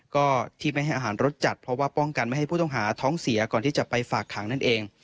ก็ที่ไม่ให้อาหารรสจัดเพราะว่าป้องกันไม่ให้ผู้ต้องหาท้องเสียก่อนที่จะไปฝากขังนั่นเอง